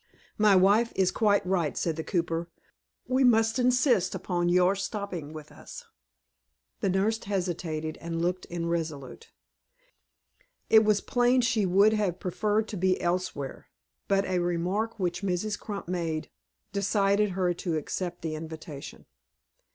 "My wife is quite right," said the cooper; "we must insist upon your stopping with us." The nurse hesitated, and looked irresolute. It was plain she would have preferred to be elsewhere, but a remark which Mrs. Crump made, decided her to accept the invitation.